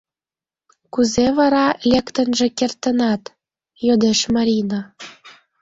— Кузе вара лектынже кертынат? — йодеш Марина.